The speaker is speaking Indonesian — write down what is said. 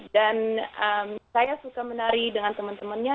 dan saya suka menari dengan teman temannya